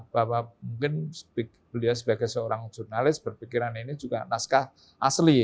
bahwa mungkin beliau sebagai seorang jurnalis berpikiran ini juga naskah asli